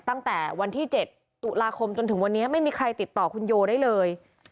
ตั้งแต่วันที่๗ตุลาคมจนถึงวันนี้ไม่มีใครติดต่อคุณโยได้เลย